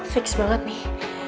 fix banget nih